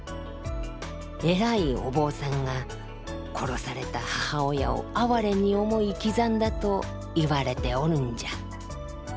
偉いお坊さんが殺された母親を哀れに思い刻んだと言われておるんじゃ。